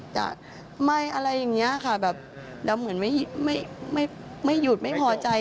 จะไม่อะไรอย่างนี้ค่ะแบบแล้วเหมือนไม่หยุดไม่พอใจ